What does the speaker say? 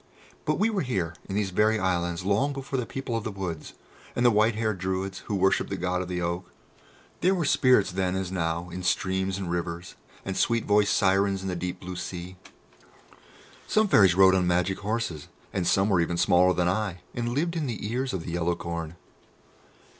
But we were here, in these very islands, long before the people of the woods, and the white haired Druids who worshipped the God of the Oak. There were spirits then, as now, in streams and rivers, and sweet voiced Sirens in the deep blue sea. Some Fairies rode on magic horses, and some were even smaller than I, and lived in the ears of the yellow corn.